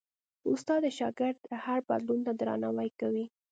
استاد د شاګرد هر بدلون ته درناوی کوي.